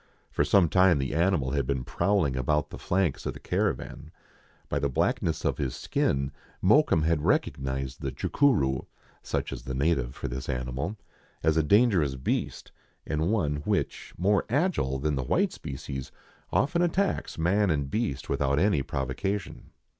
For some time the animal had been prowling about the flanks of the caravan. By the blackness of his skin Mokoum had recognized the "chucuroo" (such is the native for this animal) as a dangerous beast, and one which, more agile than the white species, often attacks man and beast without any provoca tion.